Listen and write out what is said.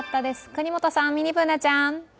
國本さん、ミニＢｏｏｎａちゃん。